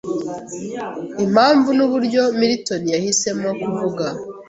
Impamvu nuburyo Milton yahisemo kuvuga